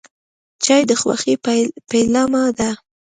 چای د خوښۍ پیلامه ده.